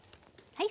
はい。